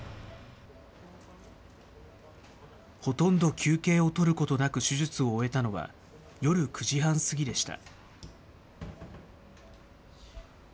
ほとんど休憩を取ることなく手術を終えたのは、夜９時半過ぎでした。